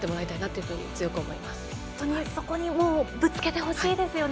そこにぶつけてほしいですよね。